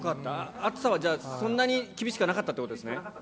暑さはじゃあ、そんなに厳しくはなかったということですね？